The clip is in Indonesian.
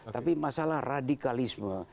tapi masalah radikalisme